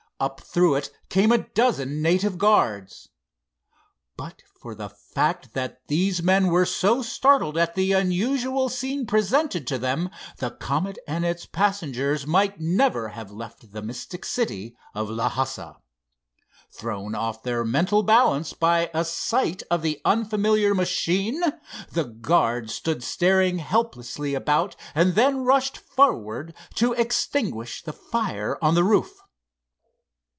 Up through it came a dozen native guards. But for the fact that these men were so startled at the unusual scene presented to them, the Comet and its passengers might never have left the mystic city of Lhassa. Thrown off their mental balance by a sight of the unfamiliar machine, the guards stood staring helplessly about and then rushed forward to extinguish the fire on the roof.